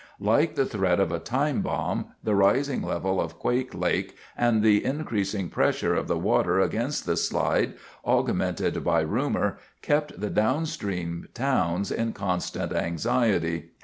Like the threat of a time bomb, the rising level of Quake Lake, and the increasing pressure of the water against the slide, augmented by rumor, kept the downstream towns in constant anxiety.